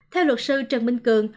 theo luật sư trần minh cường